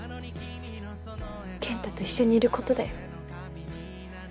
健太と一緒にいることだよ。